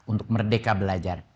untuk merdeka belajar